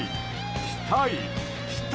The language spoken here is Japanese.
期待！